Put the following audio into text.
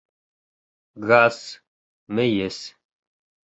Газ, мейес